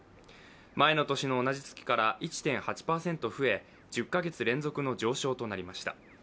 前の年の同じ月から１．８％増え、１０か月連続の上昇となりました。